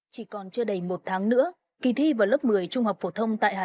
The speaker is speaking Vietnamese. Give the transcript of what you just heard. chỉ còn chưa đầy một tháng nữa kỳ thi vào lớp một mươi trung học phổ thông tại hà nội